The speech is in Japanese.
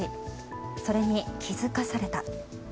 それに気づかされた。